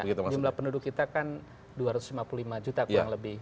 jumlah penduduk kita kan dua ratus lima puluh lima juta kurang lebih